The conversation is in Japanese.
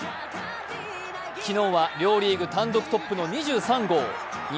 昨日は両リーグ単独トップの２３号。